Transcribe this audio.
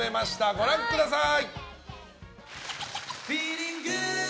ご覧ください。